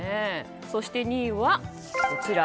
そして２位はこちら。